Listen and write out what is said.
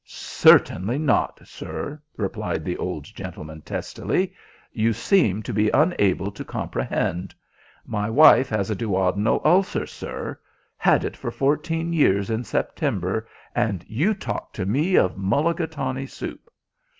"Certainly not, sir," replied the old gentleman testily. "You seem to be unable to comprehend. My wife has a duodenal ulcer, sir. Had it for fourteen years in September, and you talk to me of mulligatawny soup."